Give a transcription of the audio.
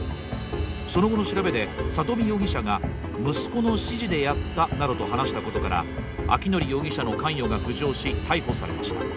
その後の調べで佐登美容疑者が息子の指示でやったなどと話したことから明範容疑者の関与が浮上し逮捕されました。